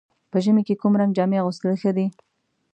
په ژمي کې کوم رنګ جامې اغوستل ښه دي؟